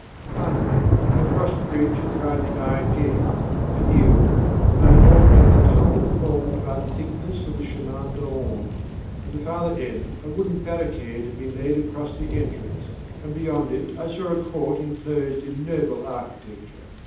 Finally I crossed the bridge and tried the iron gate. It yielded, and I walked under the tunnel formed by the thickness of the chemin de ronde. At the farther end, a wooden barricade had been laid across the entrance, and beyond it I saw a court enclosed in noble architecture.